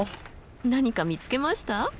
何か見つけました？